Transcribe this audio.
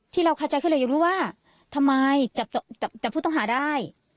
ที่เราเข้าใจขึ้นเลยอยู่รู้ว่าทำไมจับผู้ต้องหาได้